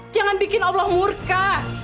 jangan bikin allah murka